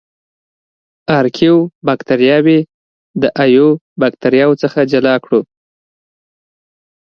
ارکیو باکتریاوې د ایو باکتریاوو څخه جلا کړو.